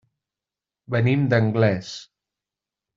Venim d'Anglès.